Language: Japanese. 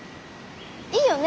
いいよね。